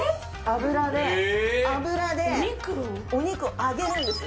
油で油でお肉を揚げるんです